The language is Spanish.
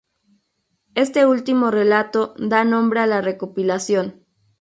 Este último relato da nombre a la recopilación.